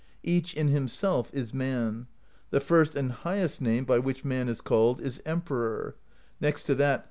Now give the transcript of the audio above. Each, in himself, is Man; the first and highest name by which man is called is Emperor; next to that.